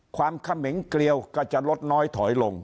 เขมงเกลียวก็จะลดน้อยถอยลง